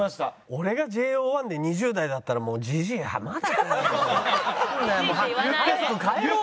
俺がＪＯ１で２０代だったらもう言ってそう！